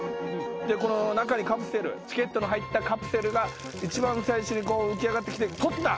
この中にカプセルチケットの入ったカプセルが一番最初に浮き上がってきて取った方が勝ちです。